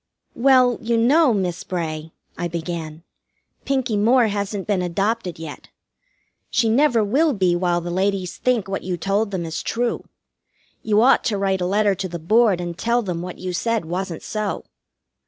"Well, you know, Miss Bray," I began, "Pinkie Moore hasn't been adopted yet. She never will be while the ladies think what you told them is true. You ought to write a letter to the Board and tell them what you said wasn't so."